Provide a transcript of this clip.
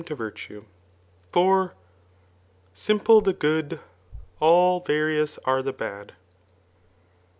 to virtue. For, Simple the good, alI varIott$ ^lt the bad.